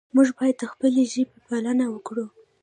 موږ باید د خپلې ژبې پالنه وکړو.